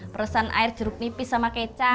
peresan air jeruk nipis sama keitu